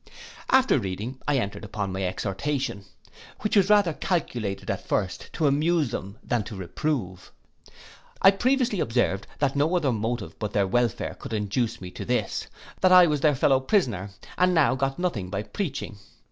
After reading, I entered upon my exhortation, which was rather calculated at first to amuse them than to reprove. I previously observed, that no other motive but their welfare could induce me to this; that I was their fellow prisoner, and now got nothing by preaching.